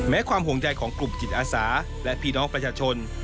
ความห่วงใยของกลุ่มจิตอาสาและพี่น้องประชาชน